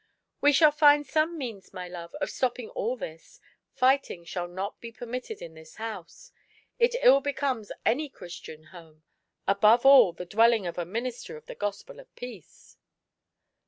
"We shall find some means, my love, of stopping all this; fighting shall not be peiinitted in this house. It ill becomes any Christian home; above all, the dwelling of a minister of the gospel of peace."